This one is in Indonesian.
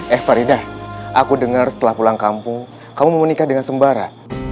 eh faridah aku dengar setelah pulang kampung kamu mau menikah dengan sembara